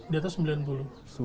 di atas sembilan puluh